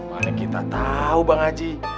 mana kita tau pak aji